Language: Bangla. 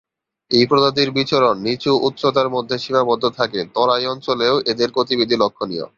এই প্রজাতির বিচরণ নিচু উচ্চতার মধ্যে সীমাবদ্ধ থাকে, তরাই অঞ্চলেও এদের গতিবিধি লক্ষনীয়।